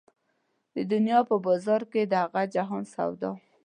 د دنيا په بازار کېږي د هغه جهان سودا